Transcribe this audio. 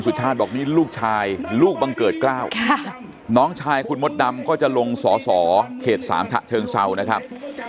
สุชาติบอกนี่ลูกชายลูกบังเกิดกล้าวน้องชายคุณมดดำก็จะลงสอสอเขต๓ฉะเชิงเศร้านะครับ